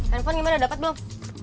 handphone gimana dapet belum